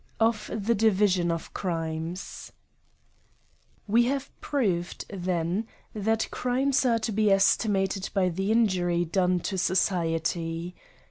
Of the Division of Crimes, WE have proved, then, that crimes are to be estimated by the injury done to society.